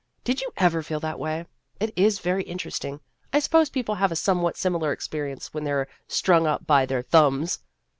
Did you ever feel that way ? It is very interesting. I suppose people have a somewhat similar experience when they are strung up by their thumbs."